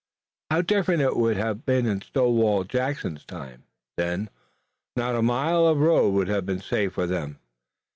How different it would have been in Stonewall Jackson's time! Then, not a mile of the road would have been safe for them.